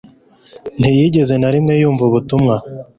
ntiyigeze na rimwe yumva ubutumwa